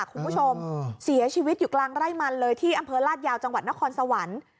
คุณผู้ชมเสียชีวิตอยู่กลางไร่มันเลยที่อำเภอลาดยาวจังหวัดนครสวรรค์